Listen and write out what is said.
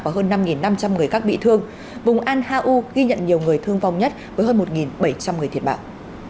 và hơn năm năm trăm linh người khác bị thương vùng an hau ghi nhận nhiều người thương vong nhất với hơn một bảy trăm linh người thiệt mạng